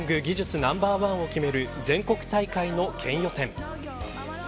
ナンバーワンを決める全国県予選。